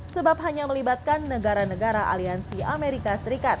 sebab hanya melibatkan negara negara aliansi amerika serikat